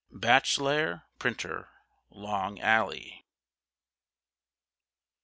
Batchlar, Printer, Long Alley.